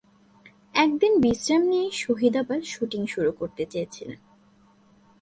এক দিন বিশ্রাম নিয়েই শহীদ আবার শুটিং শুরু করতে চেয়েছিলেন।